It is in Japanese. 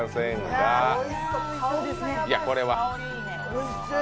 おいしい。